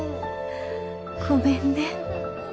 ごめんね